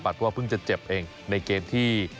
ว่าเพิ่งจะเจ็บเองในเกมที่